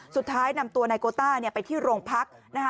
สุดท้ายนำตัวนายโกต้าไปที่โรงพัก